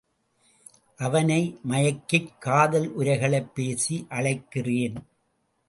அவனை மயக்கிக் காதல் உரைகள் பேசி அழைக்கிறேன்.